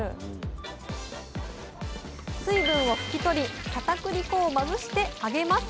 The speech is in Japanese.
水分を拭き取りかたくり粉をまぶして揚げます。